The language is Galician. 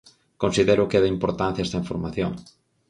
Considero que é de importancia esta información.